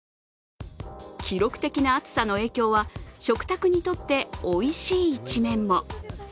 記録的な暑さの影響は食卓にとって、おいしい一面も。